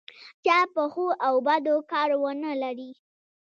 چا په ښو او بدو کار ونه لري.